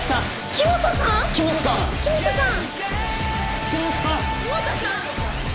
黄本さん。